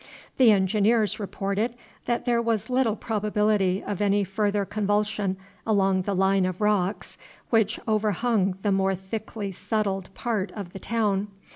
The engineers reported that there was little probability of any further convulsion along the line of rocks which overhung the more thickly settled part of the town.